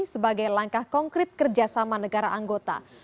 sebagai langkah konkret kerjasama negara anggota